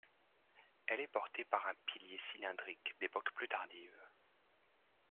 Elle est portée par un pilier cylindrique d'époque plus tardive.